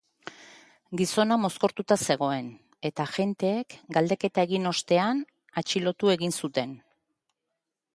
Gizona mozkortuta zegoen, eta agenteek galdeketa egin ostean, atxilotu egin zuten.